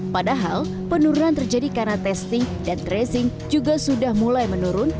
padahal penurunan terjadi karena testing dan tracing juga sudah mulai menurun